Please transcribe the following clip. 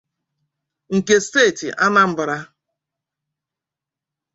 nke steeti Anambra